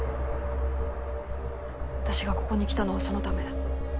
私がここに来たのはそのため。